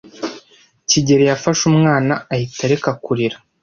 kigeli yafashe umwana ahita areka kurira.